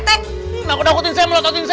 takut takutin saya melototin saya